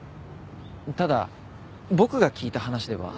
ただ僕が聞いた話では。